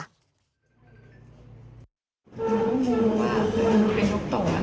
หนูก็ไม่รู้ว่าเป็นการเป็นนกต่ออะไร